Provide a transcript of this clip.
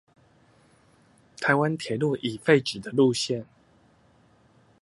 臺灣鐵路已廢止的路線